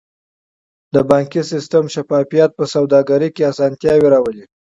د بانکي سیستم شفافیت په سوداګرۍ کې اسانتیاوې راولي.